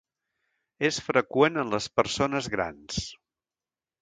És freqüent en les persones grans.